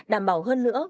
đảm bảo hơn nữa